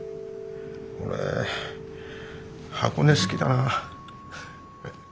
俺箱根好きだな。